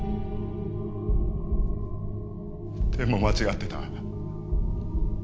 でも間違ってた。